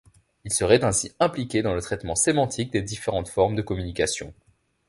Il serait ainsi impliqué dans le traitement sémantique des différentes formes de communication.